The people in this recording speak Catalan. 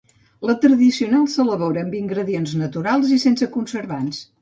La tradicional s'elabora amb ingredients naturals i sense conservants.